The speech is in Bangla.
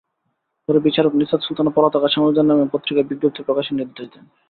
পরে বিচারক নিশাত সুলতানা পলাতক আসামিদের নামে পত্রিকায় বিজ্ঞপ্তি প্রকাশের নির্দেশ দেন।